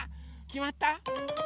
きまった？